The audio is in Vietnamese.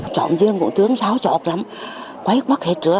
chọn riêng cũng thương sao chọn lắm quét mất hết rồi